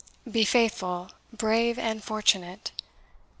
Be Faithful, Brave, and Fortunate.